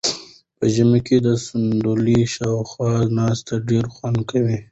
په ژمي کې د صندلۍ شاوخوا ناسته ډېر خوند ورکوي.